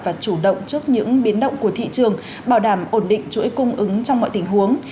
và chủ động trước những biến động của thị trường bảo đảm ổn định chuỗi cung ứng trong mọi tình huống